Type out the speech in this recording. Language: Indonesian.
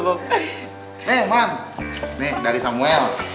nih emang nih dari samuel